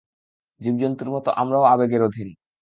জীবজন্তুর মত আমরাও আবেগের অধীন।